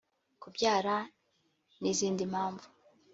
kubyara n’izindi mpamvu